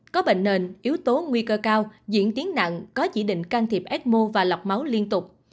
có bệnh nền yếu tố nguy cơ cao diễn tiến nặng có chỉ định can thiệp ecmo và lọc máu liên tục